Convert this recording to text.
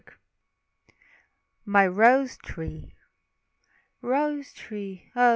MY ROSE TREE. Rose tree, O!